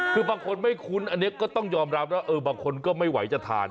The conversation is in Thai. คือบางคนไม่คุ้นอันนี้ก็ต้องยอมรับว่าบางคนก็ไม่ไหวจะทาน